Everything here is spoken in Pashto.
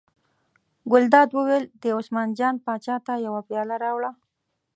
ګلداد وویل: دې عثمان جان پاچا ته یوه پیاله راوړه.